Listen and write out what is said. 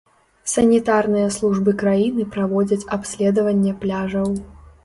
Санітарныя службы краіны праводзяць абследаванне пляжаў.